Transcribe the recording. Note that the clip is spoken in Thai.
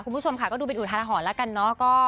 คุณผู้ชมค่ะก็ดูเป็นอุทาหรณ์แล้วกันเนาะ